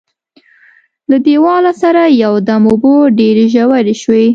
له دیواله سره یو دم اوبه ډېرې ژورې شوې.